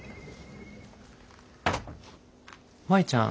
舞ちゃん？